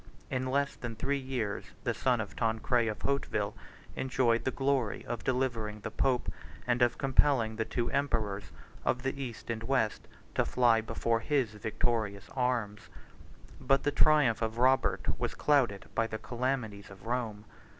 In less than three years, the son of Tancred of Hauteville enjoyed the glory of delivering the pope, and of compelling the two emperors, of the East and West, to fly before his victorious arms. 85 But the triumph of Robert was clouded by the calamities of Rome.